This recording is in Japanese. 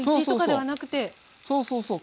そうそうそう。